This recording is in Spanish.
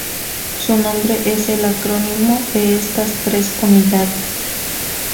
Su nombre es el acrónimo de estas tres unidades.